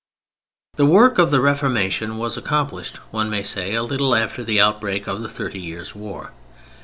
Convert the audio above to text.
The work of the Reformation was accomplished, one may say, a little after the outbreak of the Thirty Years' War.